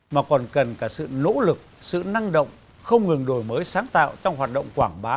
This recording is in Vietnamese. mà còn cần cả sự nỗ lực sự năng động không ngừng đổi mới sáng tạo trong hoạt động quảng bá